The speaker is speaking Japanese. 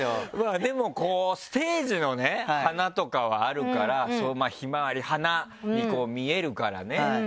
でもこうステージのね華とかはあるからひまわり花に見えるからね。